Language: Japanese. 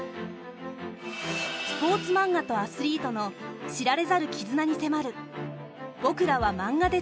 スポーツマンガとアスリートの知られざる絆に迫る